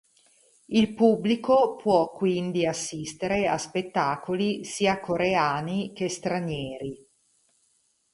Il pubblico può quindi assistere a spettacoli sia coreani che stranieri.